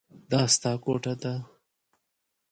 دا ستا کوټه ده.